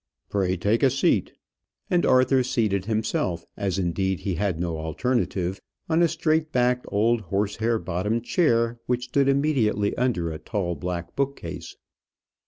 "Pray take a seat." And Arthur seated himself as, indeed, he had no alternative on a straight backed old horsehair bottomed chair which stood immediately under a tall black book case.